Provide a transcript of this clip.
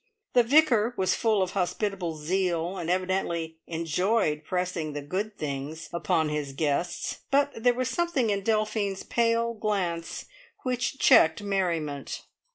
The Vicar was full of hospitable zeal, and evidently enjoyed pressing the good things upon his guests, but there was something in Delphine's pale glance which checked merriment.